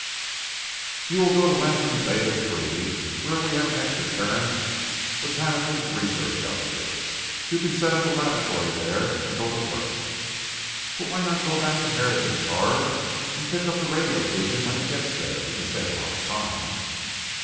"You will go to Latham Beta III where we have an extra terran botanical research outfit. You can set up a laboratory there and go to work." "But why not go back to Harrigan's Horror and pick up the radio beacon when it gets there? We can save a lot of time."